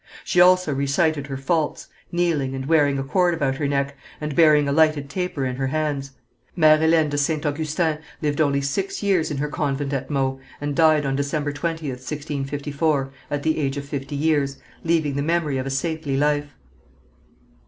She also recited her faults, kneeling, and wearing a cord about her neck, and bearing a lighted taper in her hands. Mère Hélène de St. Augustin lived only six years in her convent at Meaux, and died on December 20th, 1654, at the age of fifty years, leaving the memory of a saintly life.